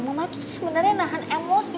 mama tuh sebenarnya nahan emosi